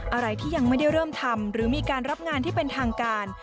อะไรที่ยังไม่ได้เริ่มทำหรือมีการรับงานที่เป็นทางการ